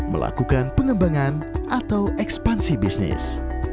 melakukan pengembangan atau ekspansi bisnis